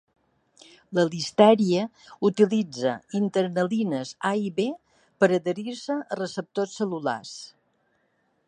La Listeria utilitza internalines A i B per a adherir-se a receptors cel·lulars.